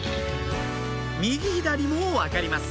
右左も分かります